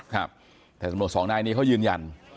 ครับแต่ตำรวจสองนายนี้เขายืนยัน